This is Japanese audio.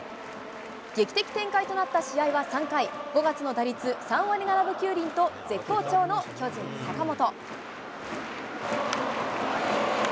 劇的展開となった試合は３回、５月の打率３割７分９厘と絶好調の巨人、坂本。